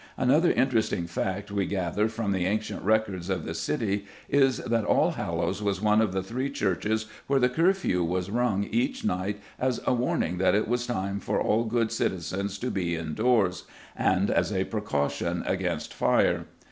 Another interesting fact we gather from the ancient records of the City is that Allhallows was one of the three churches where the curfew was rung each night as a warning that it was time for all good citizens to be indoors, and as a precaution against fire.